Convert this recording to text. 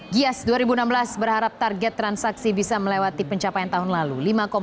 gias dua ribu enam belas berharap target transaksi bisa melewati pencapaian tahun lalu